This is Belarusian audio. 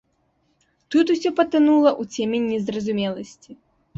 Тут усё патанула ў цемень незразумеласці.